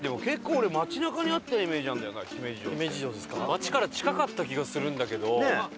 街から近かった気がするんだけど。